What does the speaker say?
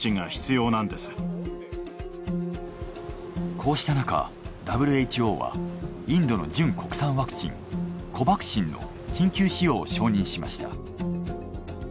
こうしたなかＷＨＯはインドの純国産ワクチンコバクシンの緊急使用を承認しました。